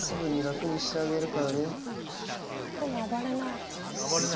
でも暴れない。